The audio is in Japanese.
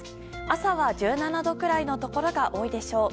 朝は１７度くらいのところが多いでしょう。